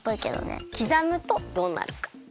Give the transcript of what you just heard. きざむとどうなるか。